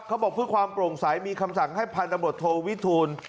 เขาบอกเพื่อความโปร่งใสมีคำสั่งให้พันธบทโทวิทูล